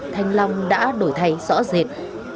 thanh long đã đổi thay rõ rệt